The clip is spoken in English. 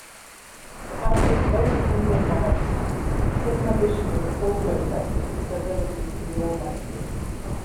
As with most Indian monarchs, Simhavishnu also accepted his servility to the Almighty.